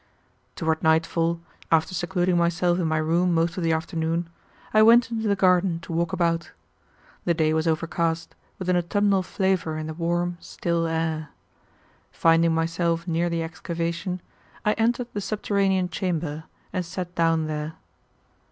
Toward nightfall, after secluding myself in my room most of the afternoon, I went into the garden to walk about. The day was overcast, with an autumnal flavor in the warm, still air. Finding myself near the excavation, I entered the subterranean chamber and sat down there.